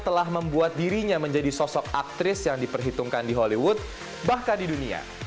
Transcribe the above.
dan membuat dirinya menjadi sosok aktris yang diperhitungkan di hollywood bahkan di dunia